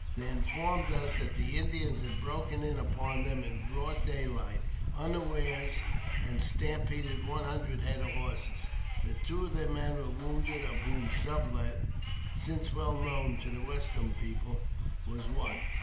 They informed us that the Indians had broken in upon them in broad daylight, unawares, and stampeded one hundred head of horses ; that two of their men were wounded, of whom Sublet (since well known to the Western people) was one.